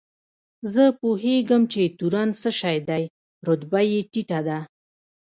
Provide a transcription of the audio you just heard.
زه پوهېږم چې تورن څه شی دی، رتبه یې ټیټه ده.